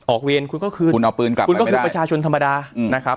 ออกเวรคุณก็คือคุณเอาปืนกลับไปไม่ได้คุณก็คือประชาชนธรรมดาอืมนะครับ